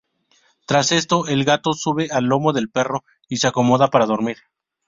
Tras esto el gato sube al lomo del perro y se acomoda para dormir.